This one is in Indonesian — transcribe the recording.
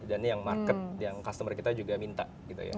dan yang market yang customer kita juga minta gitu ya